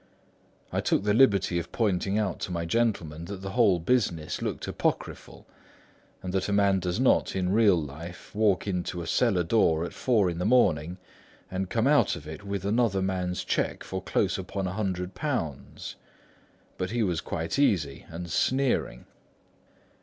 I took the liberty of pointing out to my gentleman that the whole business looked apocryphal, and that a man does not, in real life, walk into a cellar door at four in the morning and come out with another man's cheque for close upon a hundred pounds. But he was quite easy and sneering.